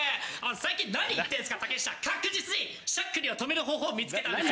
最近なに言ってんすか竹下確実にしゃっくりを止める方法を見つけたんですよ。